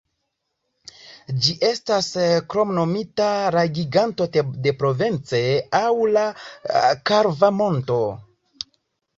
Ĝi estas kromnomita la Giganto de Provence aŭ la kalva monto.